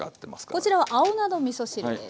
こちらは青菜のみそ汁です。